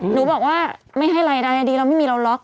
หนูบอกว่าไม่ให้รายได้ดีเราไม่มีเราล็อก